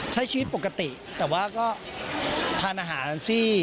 ใช้ชีวิตปกติแต่ว่าก็ทานอาหารซี่